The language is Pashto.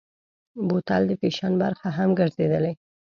بوتل د فیشن برخه هم ګرځېدلې.